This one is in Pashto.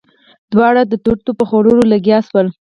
دواړه د توتو په خوړلو لګيا شول.